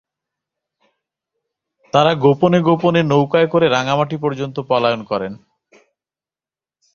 তাঁরা গোপনে গোপনে নৌকায় করে রাঙামাটি পর্যন্ত পলায়ন করেন।